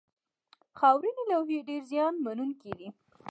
خاورینې لوحې ډېرې زیان منونکې دي.